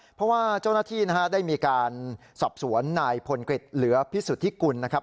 เพราะว่าเจ้าหน้าที่นะฮะได้มีการสอบสวนนายพลกฤษเหลือพิสุทธิกุลนะครับ